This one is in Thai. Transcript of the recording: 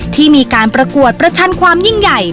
ที่มีการประกวดประชันความยิ่งใหญ่